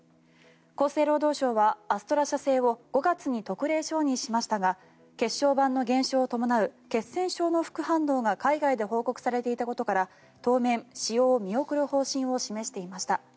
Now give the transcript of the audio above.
厚生労働省はアストラ社製を５月に特例承認しましたが血小板の減少を伴う血栓症の副反応が海外で報告されていたことから当面、使用を見送る方針を示していました。